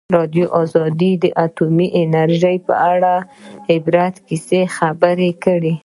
ازادي راډیو د اټومي انرژي په اړه د عبرت کیسې خبر کړي.